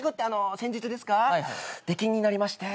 先日ですか出禁になりまして。